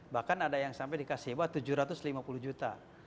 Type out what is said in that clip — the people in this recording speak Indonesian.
bahkan ada yang sampai dikasih heboh tujuh ratus lima puluh juta